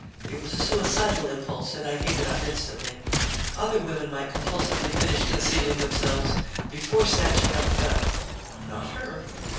It was a suicidal impulse and I gave it up instantly. Other women might compulsively finish concealing themselves before snatching up the gun. Not her.